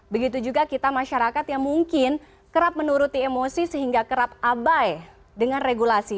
begitu juga kita masyarakat yang mungkin kerap menuruti emosi sehingga kerap abai dengan regulasi